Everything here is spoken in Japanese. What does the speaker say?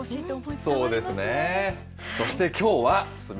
そうですね。